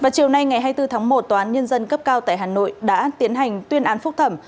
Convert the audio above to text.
chiều nay ngày hai mươi bốn tháng một tòa án nhân dân cấp cao tại hà nội đã tiến hành tuyên án phúc thẩm